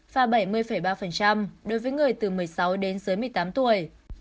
và bảy mươi ba đối với người từ một mươi sáu đến dưới một mươi tám tuổi